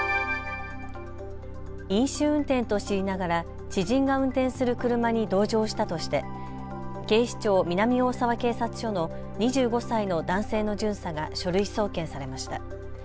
飲酒運転と知りながら知人が運転する車に同乗したとして警視庁南大沢警察署の２５歳の男性の巡査が書類送検されました。